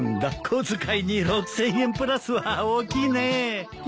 小遣いに６，０００円プラスは大きいね。